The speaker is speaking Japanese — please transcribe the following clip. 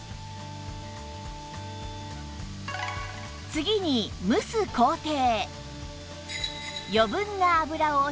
次に蒸す工程